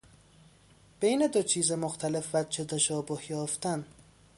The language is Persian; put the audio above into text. بین دو چیز مختلف، وجه تشابه یافتن